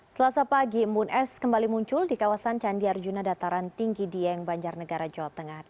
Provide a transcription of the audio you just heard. selasa pagi embun es kembali muncul di kawasan candi arjuna dataran tinggi dieng banjarnegara jawa tengah